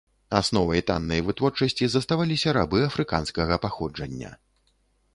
Асновай таннай вытворчасці заставаліся рабы афрыканскага паходжання.